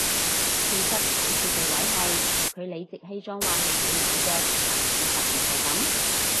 其實好笑嘅位係佢理直氣壯話係佢買嘅但事實唔係噉